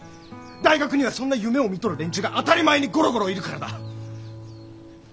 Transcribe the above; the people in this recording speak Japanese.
大学にはそんな夢をみとる連中が当たり前にゴロゴロいるからだ！